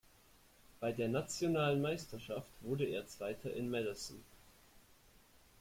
Bei der nationalen Meisterschaft wurde er Zweiter im Madison.